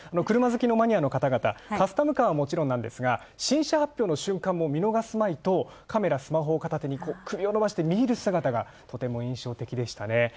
車好きのマニアの方々、カスタムカーはもちろんなんですが新車発表の瞬間も見逃すまいとカメラ、スマホを片手に首を伸ばして見入る姿がとても印象的でしたね。